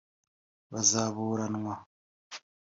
bazaburanywa